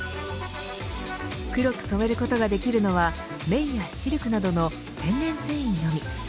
黒く染めることができるのは綿やシルクなどの天然繊維のみ。